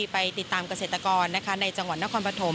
ไปติดตามเกษตรกรในจังหวัดนครปฐม